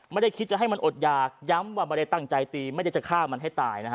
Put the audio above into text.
ไม่ได้คิดจะให้มันอดหยากย้ำว่าไม่ได้ตั้งใจตีไม่ได้จะฆ่ามันให้ตายนะฮะ